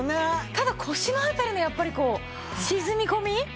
ただ腰の辺りのやっぱり沈み込み。